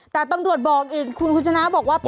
แต่ต้องรวดบอกเองคุณคุณชนะบอกว่าว่า